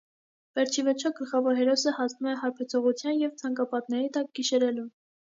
Վերջիվերջո, գլխավոր հերոսը հասնում է հարբեցողության և ցանկապատների տակ գիշերելուն։